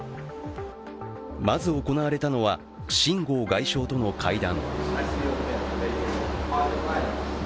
まず行われたのは秦剛外相との会談。